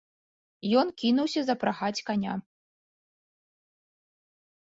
Ён кінуўся запрагаць каня.